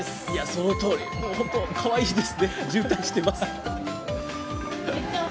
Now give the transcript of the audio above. そのとおり、本当にかわいいですね、渋滞してます。